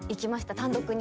単独に！？